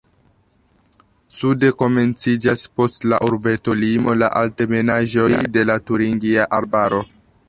Sude komenciĝas post la urbetolimo la altebenaĵoj de la Turingia Arbaro.